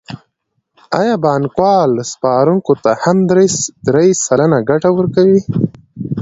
آیا بانکوال سپارونکو ته هم درې سلنه ګټه ورکوي